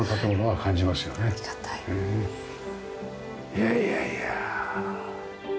いやいやいや。